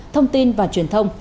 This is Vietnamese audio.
thông tin và truyền thông